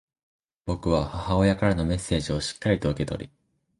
僕は母親からのメッセージをしっかりと受け取り、